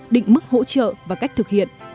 định mức hỗ trợ và cách thực hiện